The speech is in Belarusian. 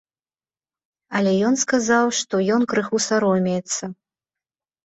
Але ён сказаў, што ён крыху саромеецца.